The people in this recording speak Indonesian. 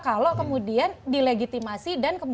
kalau kemudian dilegitimasi